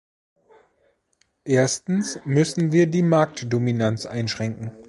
Erstens müssen wir die Markdominanz einschränken.